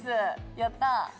やった！